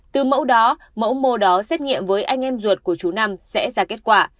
từ mẫu đó mẫu mô đó xét nghiệm với anh em ruột của chú năm sẽ ra kết quả